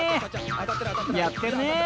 ［やってるね］